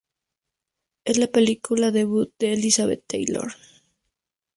Es la película debut de Elizabeth Taylor.